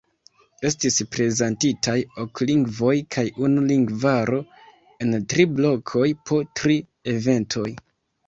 Estis prezentitaj ok lingvoj kaj unu lingvaro en tri blokoj po tri eventoj.